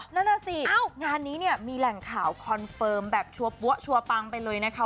นั่นแน่สิงานนี้มีแหล่งข่าวคอนเฟิร์มแบบชัวปั้งไปเลยนะคะ